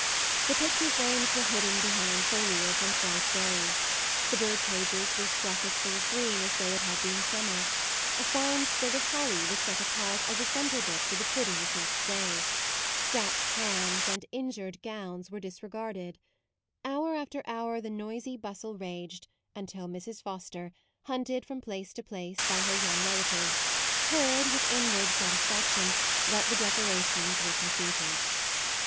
The pic ture frames were hidden behind foli age and bright berries ; the bird cages were stuck as full of green as though it had been summer. A fine sprig of holly was set apart as a centre bit for the pudding of next day: scratched hands and injured gowns were disregarded: hour after 64 MAUDE hour the noisy bustle raged until Mrs. Foster, hunted from place to place by her young relatives, heard, with inward satisfaction, that the decorations were completed.